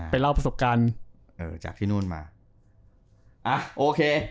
ไปเล่าพระสักการณ์จากที่นู่นมาอ่ะโอเค